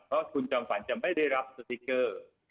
เพราะคุณจอมฝันจะไม่ได้รับสติ๊กเกอร์